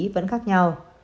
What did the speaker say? vẫn khác nhau